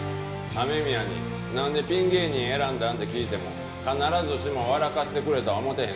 雨宮に「なんでピン芸人選んだん？」って聞いても必ずしも笑かしてくれとは思うてへんねん。